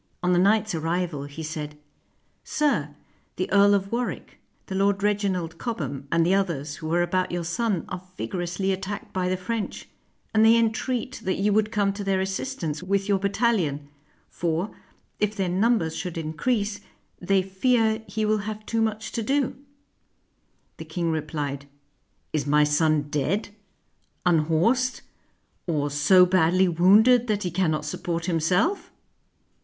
On the knight's arrival, he said, ''Sir, the Earl of Warwick, the Lord Reginald Cobham, and the others who are about your son are vigorously at tacked by the French; and they entreat that you would come to their assistance with your battalion, for, if their numbers should increase, they fear he will have too much to do." The king replied, ''Is my son dead, unhorsed, or so badly wounded that he cannot support himself?"